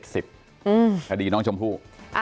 สวัสดีน้องชมพู่